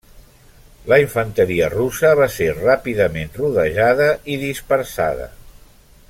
La infanteria russa va ser ràpidament rodejada i dispersada.